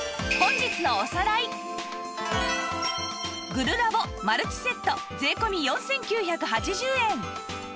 グルラボマルチセット税込４９８０円